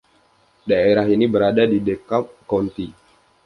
Daerah ini berada di DeKalb County.